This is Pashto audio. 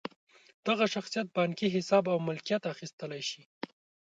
دغه شخصیت بانکي حساب او ملکیت اخیستلی شي.